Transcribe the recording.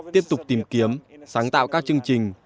tiếp tục tìm kiếm sáng tạo các chương trình